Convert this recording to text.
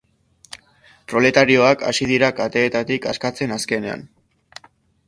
Proletarioak hasi dira kateetatik askatzen, azkenean!